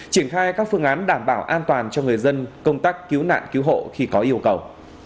triển khai các phương án đảm bảo an toàn cho người dân công tác cứu nạn cứu hộ khi có yêu cầu